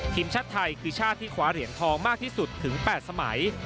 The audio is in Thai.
ทีมชาติไทยคือชาติที่คว้าเหรียญทองมากที่สุดถึง๘สมัย